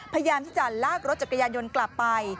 พยายามที่จะลากรถจักรยานยนต์กลับไป